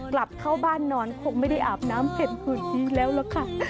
กลับเข้าบ้านนอนคงไม่ได้อาบน้ำเต็มผื่นนี้แล้วล่ะค่ะ